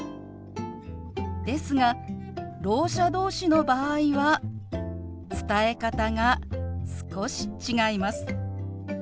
ですがろう者同士の場合は伝え方が少し違います。